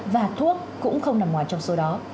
và thuốc cũng không nằm ngoài trong số đó